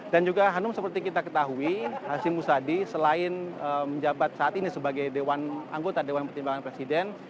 dan juga hanum seperti kita ketahui hashim musadi selain menjabat saat ini sebagai anggota dewan pertimbangan presiden